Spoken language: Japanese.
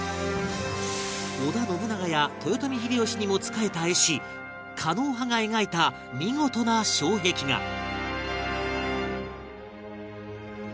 織田信長や豊臣秀吉にも仕えた絵師狩野派が描いた見事な障壁画